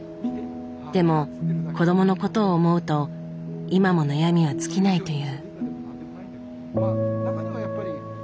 でも子どものことを思うと今も悩みは尽きないという。